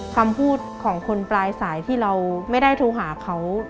คำพูดของคนปลายสายที่เราไม่ได้โทรหาเขา